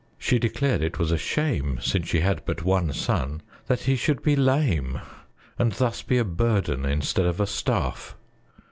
She declared it was a shame, since she had but one son, that he should be lame, and thus be a burden instead of a staff.